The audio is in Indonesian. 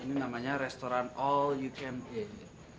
ini namanya restoran all you can eat